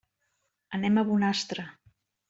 Anem a Bonastre.